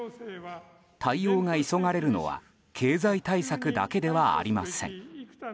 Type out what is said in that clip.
対応が急がれるのは経済対策だけではありません。